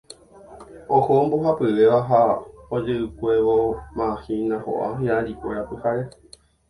Oho mbohapyvéva ha ojevykuevomahína ho'a hi'arikuéra pyhare.